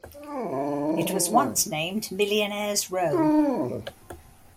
It was once named "Millionaire's Row".